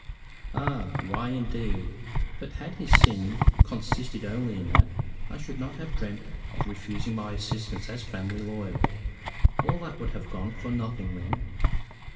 "Ah! why, indeed. But had his sin consisted only in that, I should not have dreamed of refusing my assistance as a family lawyer. All that would have gone for nothing then."